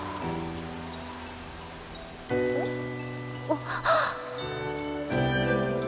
あっ！